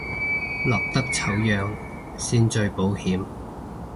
落得醜樣先最保險